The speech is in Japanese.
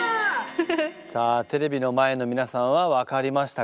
さあテレビの前の皆さんは分かりましたか？